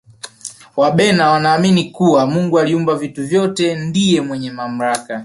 wabena wanaamini kuwa mungu aliumba vitu vyote ndiye mwenye mamlaka